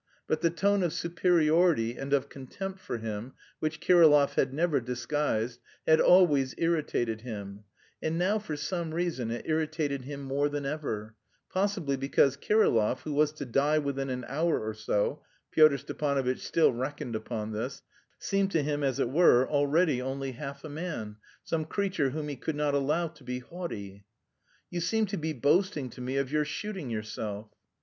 But the tone of superiority and of contempt for him, which Kirillov had never disguised, had always irritated him, and now for some reason it irritated him more than ever possibly because Kirillov, who was to die within an hour or so (Pyotr Stepanovitch still reckoned upon this), seemed to him, as it were, already only half a man, some creature whom he could not allow to be haughty. "You seem to be boasting to me of your shooting yourself."